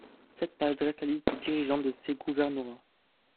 Cette page dresse la liste des dirigeants de ces gouvernorats.